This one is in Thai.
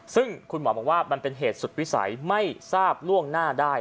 ซึ่งคุณหมอบอกว่ามันเป็นเหตุสุดวิสัยไม่ทราบล่วงหน้าได้